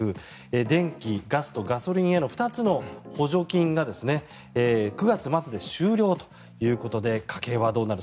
電気・ガスとガソリンへの２つの補助金が９月末で終了ということで家計はどうなる。